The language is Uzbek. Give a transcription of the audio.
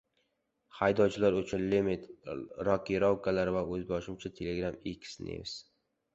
Haydovchilar uchun limit, rokirovkalar va o‘zboshimcha Telegram - X-News